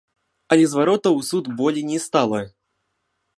Але зваротаў у суд болей не стала.